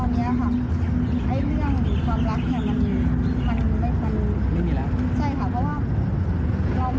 เพราะว่าเราต้องเลือกลูกค่ะ